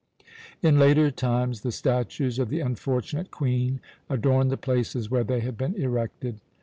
In later times the statues of the unfortunate Queen adorned the places where they had been erected.